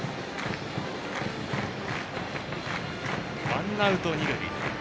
ワンアウト二塁。